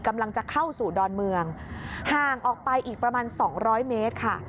กำลังจะเข้าสู่ดอนเมืองห่างออกไปอีกประมาณสองร้อยเมตรค่ะ